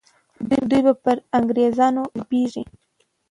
دوی به پر انګریزانو غالبیږي.